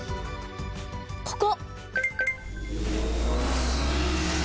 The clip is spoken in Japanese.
ここ。